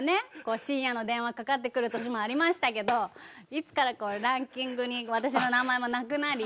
深夜の電話かかってくる年もありましたけどいつからかランキングに私の名前もなくなり。